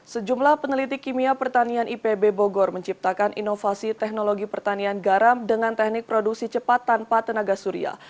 sejumlah peneliti kimia pertanian ipb bogor menciptakan inovasi teknologi pertanian garam dengan teknik produksi cepat tanpa tenaga surya